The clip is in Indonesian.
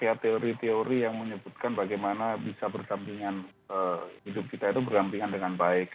ya teori teori yang menyebutkan bagaimana bisa bergampingan hidup kita itu bergampingan dengan baik